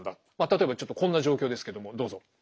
例えばちょっとこんな状況ですけどもどうぞ。